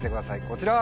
こちら！